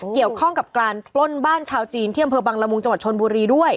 เกี่ยวข้องกับการปล้นบ้านชาวจีนที่อำเภอบังละมุงจังหวัดชนบุรีด้วย